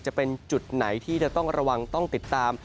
จะเป็นจุดไหนที่จะต้องระวังต้องติดตาม